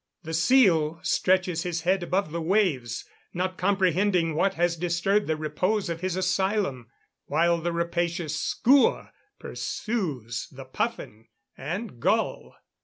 The seal stretches his head above the waves, not comprehending what has disturbed the repose of his asylum, while the rapacious skua pursues the puffin and gull.